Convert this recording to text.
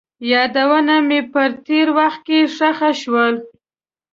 یادونه مې په تېر وخت کې ښخ شول.